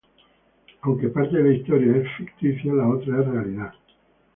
Aunque parte de la historia es ficticia, la otra es realidad.